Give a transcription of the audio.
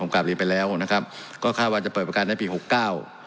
กลับเรียนไปแล้วนะครับก็คาดว่าจะเปิดประกันในปีหกเก้า